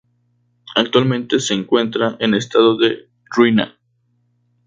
Actualmente se encuentra en estado de ruina.